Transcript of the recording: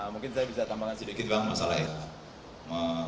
mungkin saya bisa tambahkan sedikit bang masalah itu